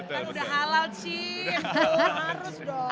kan udah halal cie itu harus dong